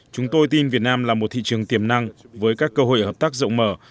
chúng tôi tin việt nam là một thị trường tiềm năng với các cơ hội hợp tác rộng mở